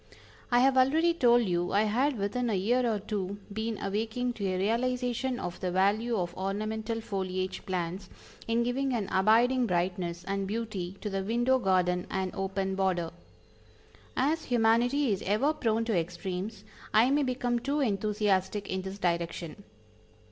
I have already told you I had within a year or two been awaking to a realization of the value of ornamental foliage plants in giving an abiding brightness and beauty to the window garden and open border. As humanity is ever prone to extremes I may become too enthusiastic in this direction.